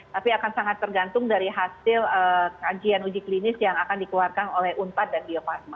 tapi akan sangat tergantung dari hasil kajian uji klinis yang akan dikeluarkan oleh unpad dan bio farma